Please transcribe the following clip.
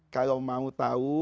kalau mau tahu